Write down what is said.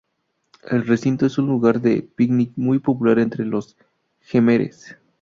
El recinto es un lugar de picnic muy popular entre los Jemeres.